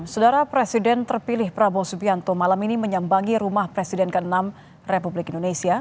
saudara presiden terpilih prabowo subianto malam ini menyambangi rumah presiden ke enam republik indonesia